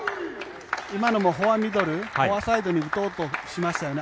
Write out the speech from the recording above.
今のもフォアミドルフォアサイドに打とうとしましたよね。